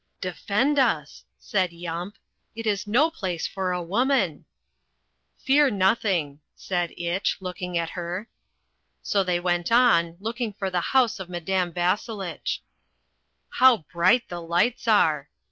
"Defend us," said Yump. "It is no place for a woman." "Fear nothing," said Itch, looking at her. So they went on, looking for the house of Madame Vasselitch. "How bright the lights are!"